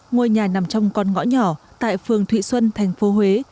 ngôi nhà nằm trong con ngõ nhỏ tại phường thụy xuân thành phố huế